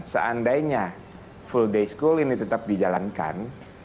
seandainya full day school ini tetap dijalankan